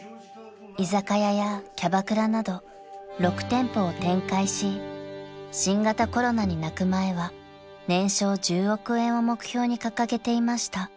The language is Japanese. ［居酒屋やキャバクラなど６店舗を展開し新型コロナに泣く前は年商１０億円を目標に掲げていました］